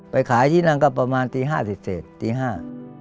ไปขายที่นั่งก็ประมาณประมาณตีห้าเฉียวเจษฐ์จีนห้า